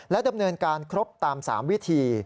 ดำเนินการครบตาม๓วิธี